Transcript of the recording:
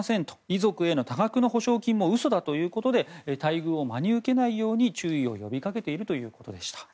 遺族への多額の補償金も嘘だということで待遇を真に受けないように注意を呼びかけているということでした。